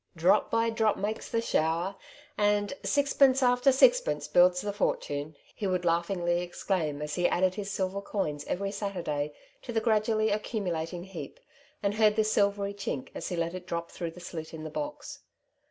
^ 112 " Two Sides to every Question^ " Drop by drop makes the shower/' and *' Sixpence after sixpence builds the fortune/' he would laugh ingly exclaim as he added his silver coins every Saturday to the gradually accumulating heap^ and heard the silvery chink as he let it drop through the slit in the box.